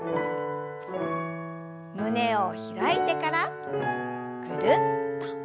胸を開いてからぐるっと。